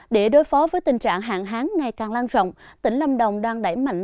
để đối phó với tình trạng hạn hán ngày càng lan rộng tỉnh lâm đồng đang đẩy mạnh